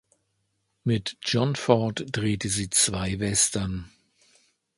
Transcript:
Mit John Ford drehte sie zwei Western.